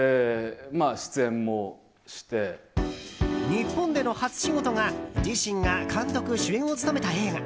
日本での初仕事が自身が監督・主演を務めた映画。